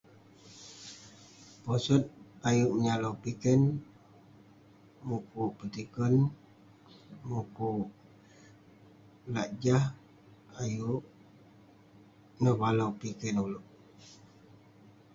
posot ayuk menyalau piken, mukuk petiken, mukuk lak jah ayuk nevalau piken ulouk